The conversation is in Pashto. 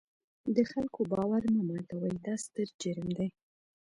د خلکو باور مه ماتوئ، دا ستر جرم دی.